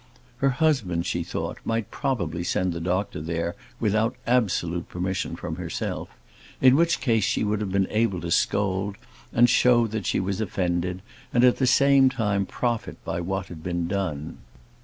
Her husband, she thought, might probably send the doctor there without absolute permission from herself; in which case she would have been able to scold, and show that she was offended; and, at the same time, profit by what had been done.